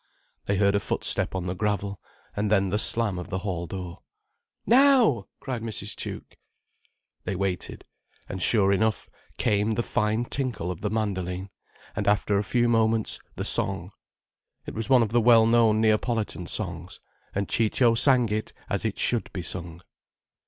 They heard a footstep on the gravel, and then the slam of the hall door. "Now!" cried Mrs. Tuke. They waited. And sure enough, came the fine tinkle of the mandoline, and after a few moments, the song. It was one of the well known Neapolitan songs, and Ciccio sang it as it should be sung.